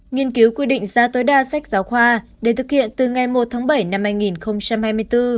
nghiên cứu quy định giá tối đa sách giáo khoa để thực hiện từ ngày một tháng bảy năm hai nghìn hai mươi bốn